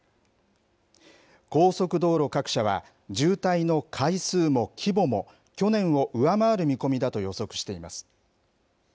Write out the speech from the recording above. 高速道路各社は渋滞の回数も規模も去年を上回る見込みだと予測しています。